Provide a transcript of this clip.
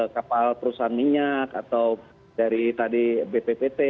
kapal perusahaan minyak atau dari tadi bppt